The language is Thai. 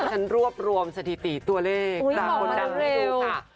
ฉันรวบรวมสถิติตัวเลขจากคนดังให้ดูค่ะ